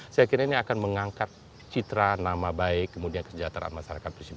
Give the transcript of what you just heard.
saya kira ini akan mengangkat citra nama baik kemudian kesejahteraan masyarakat presiden